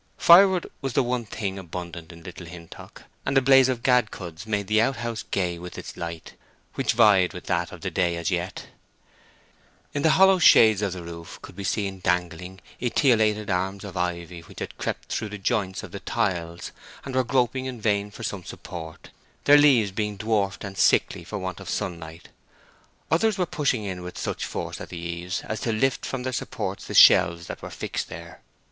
Firewood was the one thing abundant in Little Hintock; and a blaze of gad cuds made the outhouse gay with its light, which vied with that of the day as yet. In the hollow shades of the roof could be seen dangling etiolated arms of ivy which had crept through the joints of the tiles and were groping in vain for some support, their leaves being dwarfed and sickly for want of sunlight; others were pushing in with such force at the eaves as to lift from their supports the shelves that were fixed there.